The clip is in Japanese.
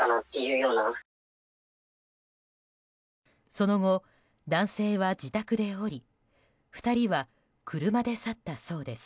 その後、男性は自宅で降り２人は車で去ったそうです。